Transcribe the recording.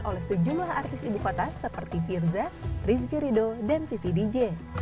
oleh sejumlah artis ibu kota seperti firza rizky rido dan siti dj